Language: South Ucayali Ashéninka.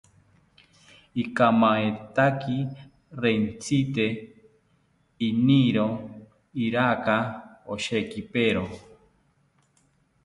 Ikamaetaki rentzite, iniro iraka oshekipero